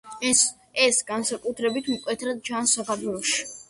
ეს განსაკუთრებით მკვეთრად ჩანს საქართველოში.